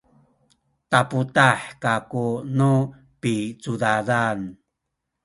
taputah kaku nu picudadan